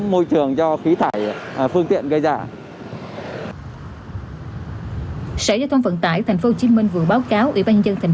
mục đích là kéo giảm phương tiện cá nhân để tránh tình trạng xảy ra ồn tắc